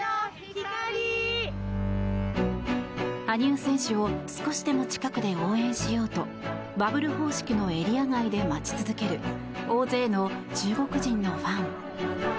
羽生選手を少しでも近くで応援しようとバブル方式のエリア外で待ち続ける大勢の中国人のファン。